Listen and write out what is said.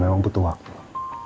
tapi memang butuh waktu